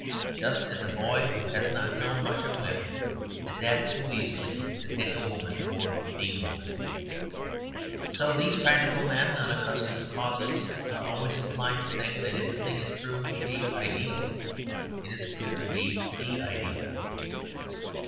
just as a boy who has not known much of women is apt too easily to take a woman for the woman, so these practical men, unaccustomed to causes, are always inclined to think that if a thing is proved to be an ideal it is proved to be the ideal.